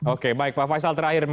oke baik pak faisal terakhir